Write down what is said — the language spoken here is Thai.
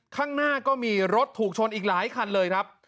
ข้างหน้าก็มีรถถูกชนอีกหลายคันเลยครับ